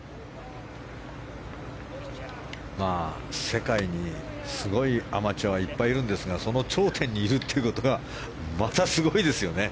世界にすごいアマチュアはいっぱいいるんですがその頂点にいるっていうことがまたすごいですよね。